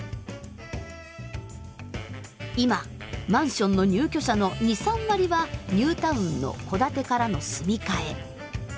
今マンションの入居者の２３割はニュータウンの戸建てからの住み替え。